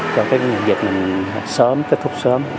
cho cái dịch này sớm kết thúc sớm